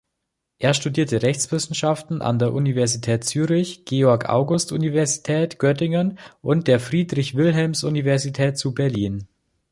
Er studierte Rechtswissenschaften an der Universität Zürich, Georg-August-Universität Göttingen und der Friedrich-Wilhelms-Universität zu Berlin.